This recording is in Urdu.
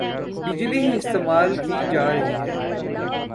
بجلی ہی استعمال کی جارہی ھے